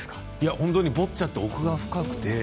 本当にボッチャって奥が深くて。